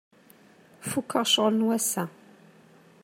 Fukeɣ ccɣel n wass-a.